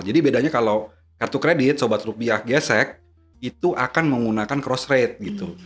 jadi bedanya kalau kartu kredit sobat rupiah gesek itu akan menggunakan cross rate gitu